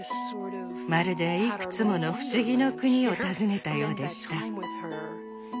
まるでいくつもの不思議の国を訪ねたようでした。